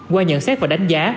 qua nhận xét và đánh giá